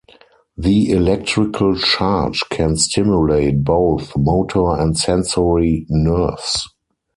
The electrical charge can stimulate both motor and sensory nerves.